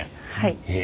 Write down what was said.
へえ。